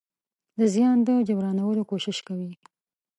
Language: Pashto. د زيان د جبرانولو کوشش کوي.